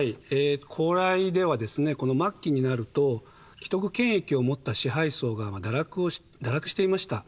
この末期になると既得権益を持った支配層が堕落していました。